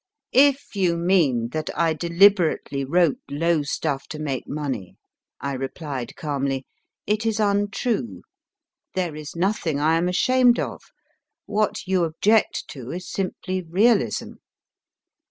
If you mean that I deliberately wrote low stuff to make money, I replied calmly, it is untrue. There is nothing I am ashamed of. What you object to is simply realism.